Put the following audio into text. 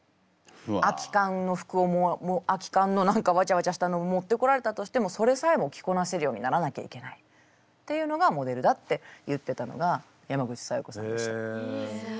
空き缶の服を空き缶の何かわちゃわちゃしたのを持ってこられたとしてもそれさえも着こなせるようにならなきゃいけないっていうのがモデルだって言ってたのが山口小夜子さんでした。